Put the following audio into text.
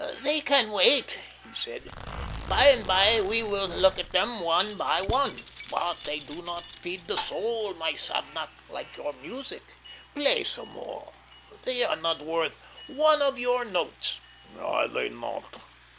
"They can wait!" he said. "By and by, we will look at them one by one. But they do not feed the soul, my Savnak, like your music. Play some more. They are not worth one of your notes." "Are they not?"